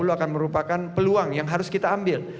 akan merupakan peluang yang harus kita ambil